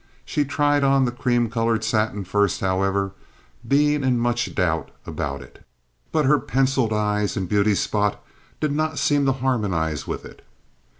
She tried on the cream colored satin first, however, being in much doubt about it; but her penciled eyes and beauty spot did not seem to harmonize with it.